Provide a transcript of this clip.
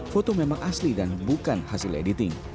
foto memang asli dan bukan hasil editing